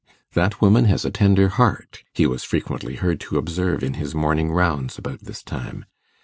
'That woman has a tender heart,' he was frequently heard to observe in his morning rounds about this time.